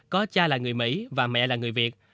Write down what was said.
có cha là người mỹ và mẹ là người việt